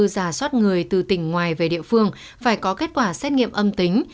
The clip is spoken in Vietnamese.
giả soát người từ tỉnh ngoài về địa phương phải có kết quả xét nghiệm âm tính